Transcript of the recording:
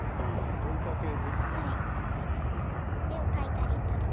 文化系ですか？